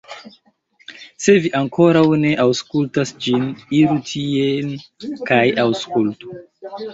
Se vi ankoraŭ ne aŭskultas ĝin, iru tien kaj aŭskultu!